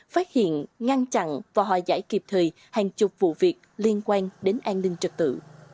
phát hiện ngăn chặn và hòa giải kịp thời hàng chục vụ việc liên quan đến an ninh trật tự